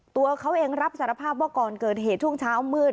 ตัวเขาเองรับสารภาพว่าก่อนเกิดเหตุช่วงเช้ามืด